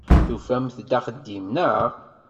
Tufam-d axeddim, naɣ?